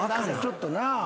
ちょっとな。